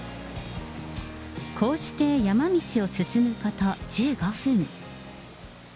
こうして山道を進むこと１５分。